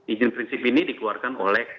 izin prinsip ini dikeluarkan oleh